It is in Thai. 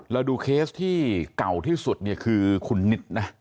เราดูเคสที่เก่าที่สุดเนี่ยคือคุณนิดนะ